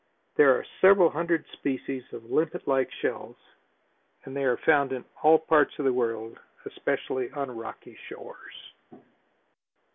There are several hundred species of limpet like shells and they are found in all parts of the world, especially on rocky shores.